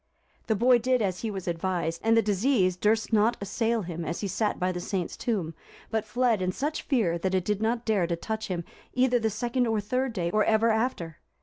The boy did as he was advised, and the disease durst not assail him as he sat by the saint's tomb; but fled in such fear that it did not dare to touch him, either the second or third day, or ever after.